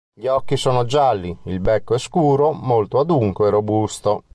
Gli occhi sono gialli; il becco è scuro, molto adunco e robusto.